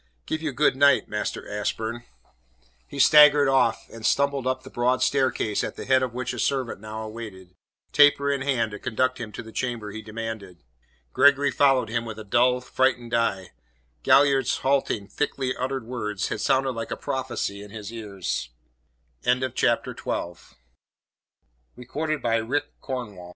Give you good night, Master Ashburn." He staggered off, and stumbled up the broad staircase at the head of which a servant now awaited, taper in hand, to conduct him to the chamber he demanded. Gregory followed him with a dull, frightened eye. Galliard's halting, thickly uttered words had sounded like a prophecy in his ears. CHAPTER XIII. THE METAMORPHOSIS OF KENNETH When t